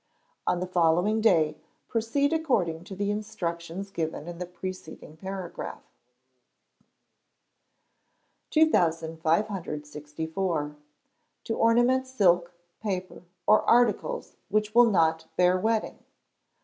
On the following day, proceed according to the instructions given in the preceding paragraph. 2564. To ornament Silk, Paper, or Articles which will not bear wetting.